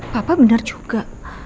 papa benar juga